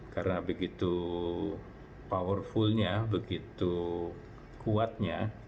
karena begitu powerfulnya begitu kuatnya